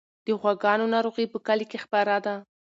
د غواګانو ناروغي په کلي کې خپره ده.